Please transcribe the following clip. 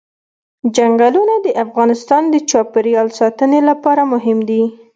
چنګلونه د افغانستان د چاپیریال ساتنې لپاره مهم دي.